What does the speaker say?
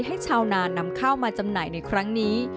ให้ชาวนานำข้าวมาจำหน่ายในครั้งนี้